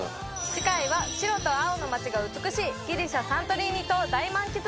次回は白と青の町が美しいギリシャサントリーニ島大満喫